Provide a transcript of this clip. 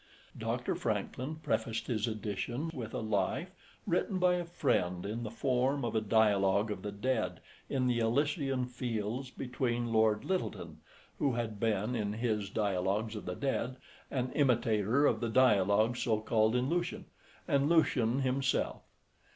Dr. Francklin prefaced his edition with a Life, written by a friend in the form of a Dialogue of the Dead in the Elysian Fields between Lord Lyttelton who had been, in his Dialogues of the Dead, an imitator of the Dialogues so called in Lucian and Lucian himself.